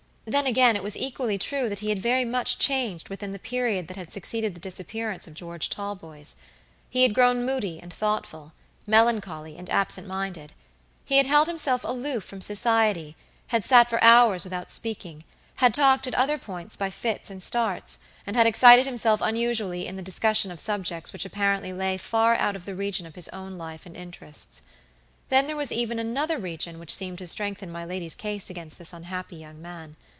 Then, again, it was equally true that he had very much changed within the period that had succeeded the disappearance of George Talboys. He had grown moody and thoughtful, melancholy and absent minded. He had held himself aloof from society, had sat for hours without speaking; had talked at other points by fits and starts; and had excited himself unusually in the discussion of subjects which apparently lay far out of the region of his own life and interests. Then there was even another region which seemed to strengthen my lady's case against this unhappy young man.